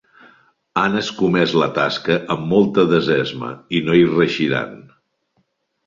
Han escomès la tasca amb molta desesma, i no hi reeixiran.